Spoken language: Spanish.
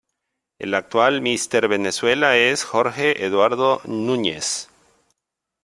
El actual Míster Venezuela es Jorge Eduardo Núñez.